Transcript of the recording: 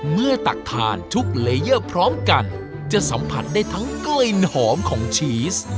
ตักทานทุกเลเยอร์พร้อมกันจะสัมผัสได้ทั้งกลิ่นหอมของชีส